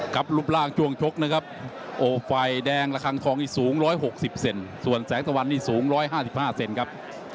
รูปร่างช่วงชกนะครับโอ้ฝ่ายแดงระคังทองนี่สูง๑๖๐เซนส่วนแสงตะวันนี่สูง๑๕๕เซนครับ